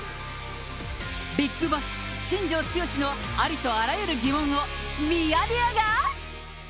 ビッグボス、新庄剛志のありとあらゆる疑問をミヤネ屋が。